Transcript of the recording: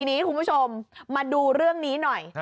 ทีนี้คุณผู้ชมมาดูเรื่องนี้หน่อย